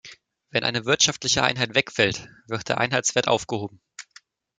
Wenn eine wirtschaftliche Einheit wegfällt, wird der Einheitswert aufgehoben.